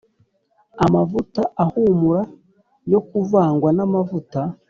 Amavuta ahumura yo kuvangwa n amavuta